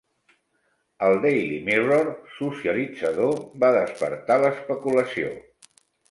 El Daily Mirror socialitzador va despertar l'especulació.